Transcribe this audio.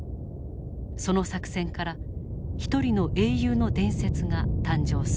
その作戦から一人の英雄の伝説が誕生する。